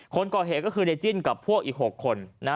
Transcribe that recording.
คนก่อเหตุก็คือในจิ้นกับพวกอีก๖คน